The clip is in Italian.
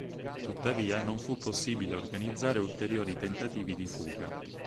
Tuttavia, non fu possibile organizzare ulteriori tentativi di fuga.